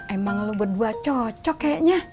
emang lo berdua cocok kayaknya